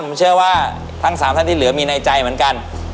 ผมเชื่อว่าทั้ง๓ท่านที่เหลือมีในใจเหมือนกัน